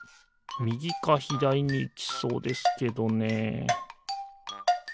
みぎかひだりにいきそうですけどね